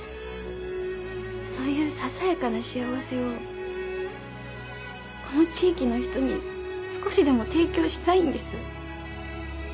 そういうささやかな幸せをこの地域の人に少しでも提供したいんです。